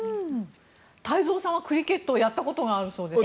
太蔵さんはクリケットをやったことがあるそうですね。